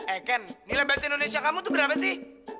eh ken nilai bahasa indonesia kamu tuh berapa sih